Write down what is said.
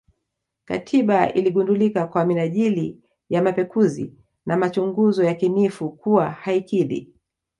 Katiba ikigundulika kwa minajili ya mapekuzi na machunguzo yakinifu kuwa haikidhi